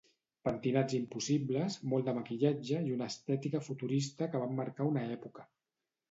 Pentinats impossibles, molt de maquillatge i una estètica futurista que van marcar una època.